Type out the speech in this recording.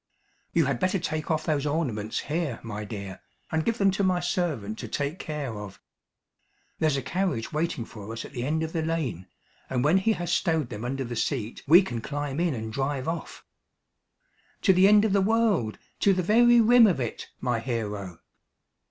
"You had better take off those ornaments here, my dear, and give them to my servant to take care of. There's a carriage waiting for us at the end of the lane, and when he has stowed them under the seat we can climb in and drive off " "To the end of the world to the very rim of it, my hero."